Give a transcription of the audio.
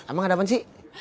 abang ada apa sih